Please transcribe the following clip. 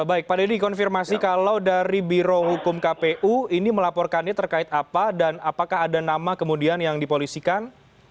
baik pak dedy konfirmasi kalau dari biro hukum kpu ini melaporkannya terkait apa dan apakah ada nama kemudian yang dipolisikan